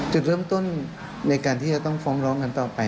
จุดเริ่มต้นในการที่จะต้องฟ้องร้องกันต่อไป